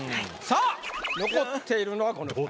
さあ残っているのはこの２人。